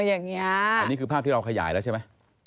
อันนี้คือภาพที่เราขยายแล้วใช่ไหม